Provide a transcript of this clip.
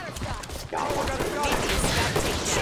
也還記得，